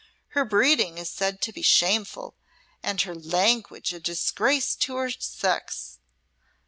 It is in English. Her breeding is said to be shameful and her langwidge a disgrace to her secks.